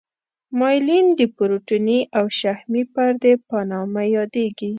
مایلین د پروتیني او شحمي پردې په نامه یادیږي.